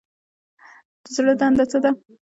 د زړه دنده څه ده؟